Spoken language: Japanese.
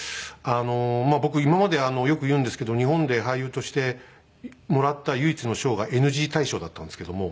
僕今までよく言うんですけど日本で俳優としてもらった唯一の賞がＮＧ大賞だったんですけども。